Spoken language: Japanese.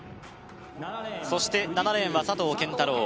そして７レーンは佐藤拳太郎